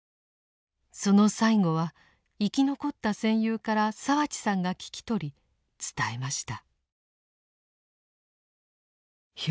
その最期は生き残った戦友から澤地さんが聞き取り伝えました。